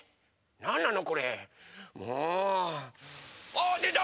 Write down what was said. あでた！